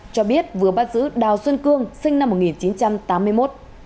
cho biết vừa bắt giữ đào xuân cương sinh năm một nghìn chín trăm tám mươi một